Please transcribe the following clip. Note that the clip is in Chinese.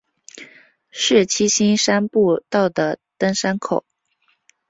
是七星山步道的登山口。